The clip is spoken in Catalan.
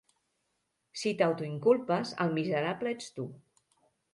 Si t'autoinculpes el miserable ets tu.